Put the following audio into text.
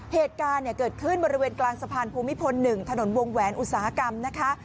เหตุการณ์เกิดขึ้นบริเวณกลางสะพานภูมิพล๑ถนนวงแหวนอุตสาหกรรมนะคะ